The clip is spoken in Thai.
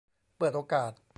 เปิดโอกาส